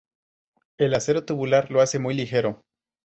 El acero tubular lo hace muy ligero.